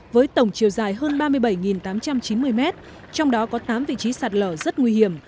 với tổng chiều dài hơn ba mươi bảy tám trăm chín mươi mét trong đó có tám vị trí sạt lở rất nguy hiểm